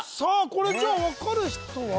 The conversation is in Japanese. これじゃあ分かる人は？